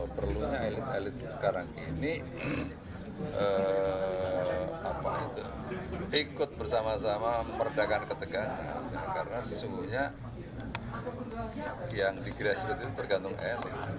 perlunya elit elit sekarang ini ikut bersama sama meredakan ketegangan karena sesungguhnya yang digresikasi bergantung elit